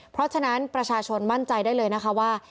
เพราะฉะนั้นประชาชนมั่นใจได้เลยนะคะว่า